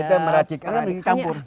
kita meracikan kan di campur